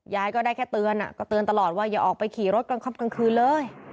ยายก็ได้แค่เตือนก็เตือนตลอดว่าอย่าออกไปขี่รถกลางครับกลางคืนเลย